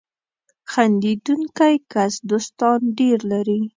• خندېدونکی کس دوستان ډېر لري.